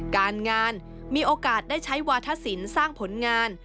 การงานมีโอกาสได้ใช้วาธศิลป์สร้างผลงาน